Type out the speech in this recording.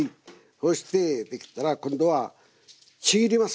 そうしてできたら今度はちぎります